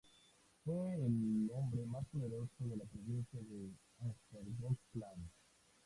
Fue el hombre más poderoso de la provincia de Östergötland.